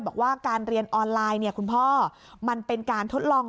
บอกว่าการเรียนออนไลน์เนี่ยคุณพ่อมันเป็นการทดลอง